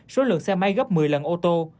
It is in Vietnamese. số lượng xe máy gấp một mươi lần ô tô